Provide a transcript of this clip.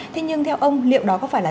thế nhưng theo ông liệu đó có phải là